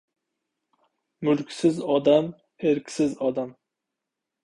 Mulksiz odam — erksiz odam.